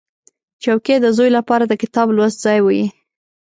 چوکۍ د زوی لپاره د کتاب لوست ځای وي.